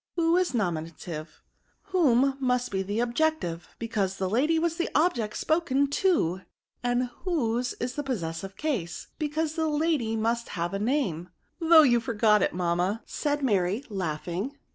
Who is nominative ; whom must be the objective, because the lady was the object spoken to ; and whose is the possessive case, because the lady must have a name, though you forget it, mamma,*' said Mary, laughing.